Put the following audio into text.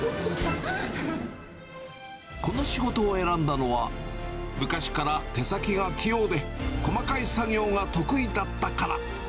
この仕事を選んだのは、昔から手先が器用で、細かい作業が得意だったから。